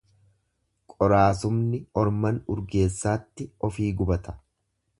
Qoraasumni orman urgeessaatti ufii gubata.